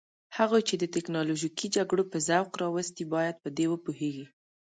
هغوی چې د تکنالوژیکي جګړو په ذوق راوستي باید په دې وپوهیږي.